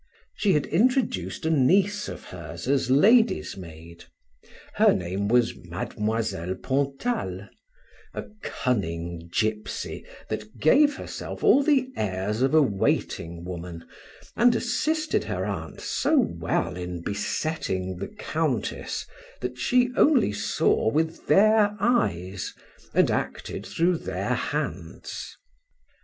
She had introduced a niece of hers as lady's maid: her name was Mademoiselle Pontal; a cunning gypsy, that gave herself all the airs of a waiting woman, and assisted her aunt so well in besetting the countess, that she only saw with their eyes, and acted through their hands.